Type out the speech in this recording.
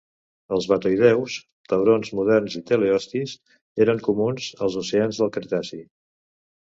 Els batoïdeus, taurons moderns i teleostis eren comuns als oceans del Cretaci.